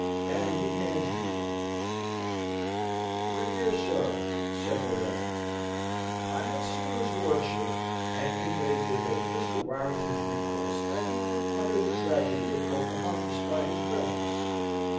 And he hands me one: "MY DEAR SIR" (said the letter) "I have seen his lordship, and conveyed to him Mr. Warrington's request that he would honour the tragedy of Pocahontas by his presence.